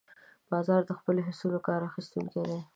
باز د خپلو حسونو کار اخیستونکی دی